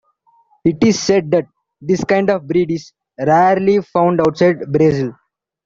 It is said that this kind of breed is rarely found outside Brazil.